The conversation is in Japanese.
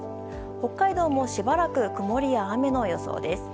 北海道もしばらく曇りや雨の予想です。